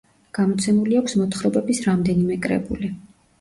გამოცემული აქვს მოთხრობების რამდენიმე კრებული.